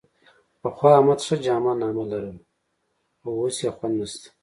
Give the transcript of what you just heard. پخوا احمد ښه جامه نامه لرله، خو اوس یې خوند نشته.